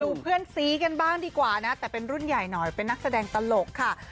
เพื่อนซีกันบ้างดีกว่านะแต่เป็นรุ่นใหญ่หน่อยเป็นนักแสดงตลกค่ะ